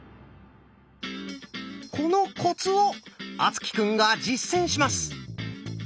このコツを敦貴くんが実践します。